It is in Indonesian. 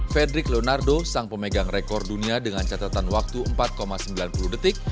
fedrik lenardo sang pemegang rekor dunia dengan catatan waktu empat sembilan puluh detik